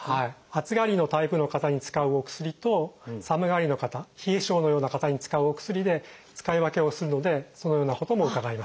暑がりのタイプの方に使うお薬と寒がりの方冷え症のような方に使うお薬で使い分けをするのでそのようなことも伺います。